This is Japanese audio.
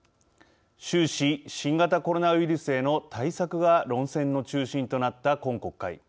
終始、新型コロナウイルスへの対策が論戦の中心となった今国会。